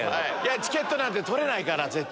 チケット取れないから絶対。